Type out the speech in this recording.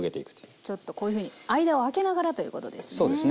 ちょっとこういうふうに間をあけながらということですね。